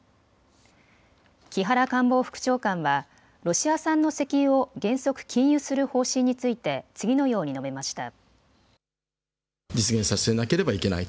木原官房副長官はロシア産の石油を原則、禁輸する方針について次のように述べました。